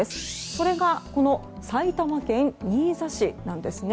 それが埼玉県新座市なんですね。